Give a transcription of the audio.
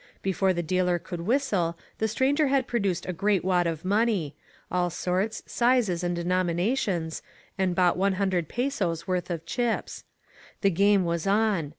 Before the dealer could whistle, the stranger had produced a great wad of money — ^all sorts, sizes and denominations, and bought one hundred pesos' worth of chips. The game was on.